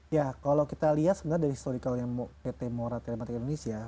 ya kalau kita lihat sebenarnya dari historicalnya pt mora telematik indonesia